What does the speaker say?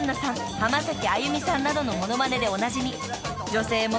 浜崎あゆみさんなどのモノマネでおなじみ女性モノマネ